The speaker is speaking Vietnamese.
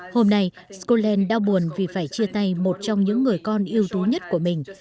hôm nay scotland đau buồn vì phải chia tay một trong những người con yêu tú nhất của mình